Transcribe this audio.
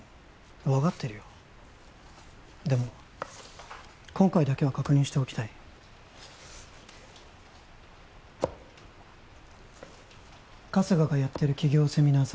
分かってるよでも今回だけは確認しておきたい春日がやってる起業セミナー